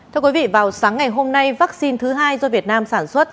thưa quý vị vào sáng ngày hôm nay vaccine thứ hai do việt nam sản xuất